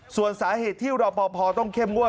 ส่วนสาเหตุที่รอปภต้องเข้มงวด